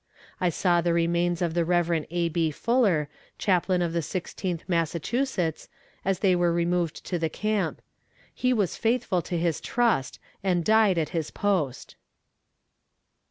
I saw the remains of the Rev. A. B. Fuller, Chaplain of the Sixteenth Massachusetts, as they were removed to the camp. He was faithful to his trust, and died at his post.